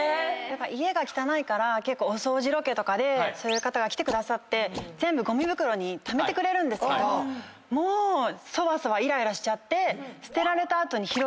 家が汚いからお掃除ロケとかでそういう方が来てくださって全部ごみ袋にためてくれるけどもうそわそわイライラしちゃって。